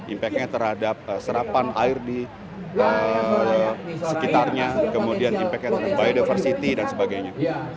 impact nya terhadap serapan air di sekitarnya kemudian impact nya terhadap biodiversity dan sebagainya